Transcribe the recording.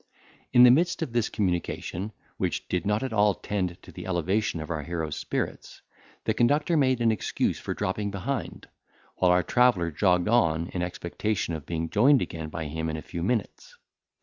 In the midst of this communication, which did not at all tend to the elevation of our hero's spirits, the conductor made an excuse for dropping behind, while our traveller jogged on in expectation of being joined again by him in a few minutes.